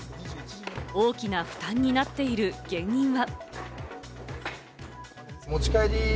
大きな負担になっている原因は。